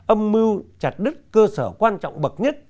âm mưu chặt đứt cơ sở quan trọng bậc nhất